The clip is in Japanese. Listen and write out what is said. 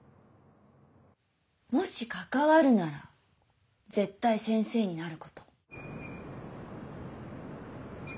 もし関わるなら絶対先生になること。